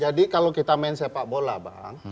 jadi kalau kita main sepak bola bang